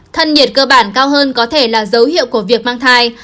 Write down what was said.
thân nhiệt cơ bản cao hơn có thể là dấu hiệu của việc mang thai